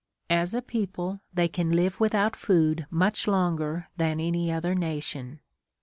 As a people, they can live without food much longer than any other nation.